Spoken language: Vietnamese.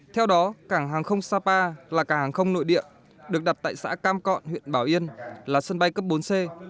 theo đó cảng hàng không sapa là cảng hàng không nội địa được đặt tại xã cam cọn huyện bảo yên là sân bay cấp bốn c